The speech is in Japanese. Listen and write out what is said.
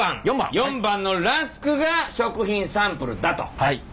４番のラスクが食品サンプルだと。